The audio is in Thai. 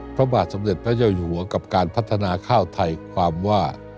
พระบาทสมเด็จพระเจ้าอยู่หัวกับการพัฒนาข้าวไทยความว่า